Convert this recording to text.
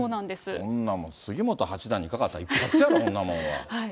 こんなもん、杉本八段にかかったら、一発やろ、こんなものは。